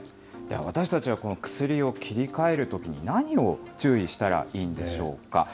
私たちが薬を切り替えるときに、何を注意したらいいんでしょうか。